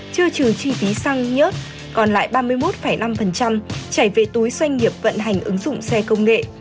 chưa trừ chi phí xăng nhớt còn lại ba mươi một năm chảy về túi doanh nghiệp vận hành ứng dụng xe công nghệ